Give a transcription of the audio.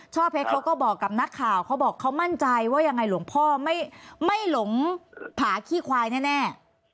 เพชรเขาก็บอกกับนักข่าวเขาบอกเขามั่นใจว่ายังไงหลวงพ่อไม่หลงผาขี้ควายแน่